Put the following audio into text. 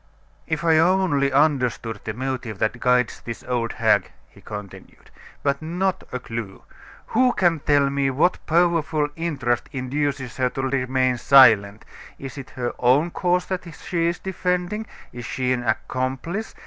"If I only understood the motive that guides this old hag!" he continued. "But not a clue! Who can tell me what powerful interest induces her to remain silent? Is it her own cause that she is defending? Is she an accomplice?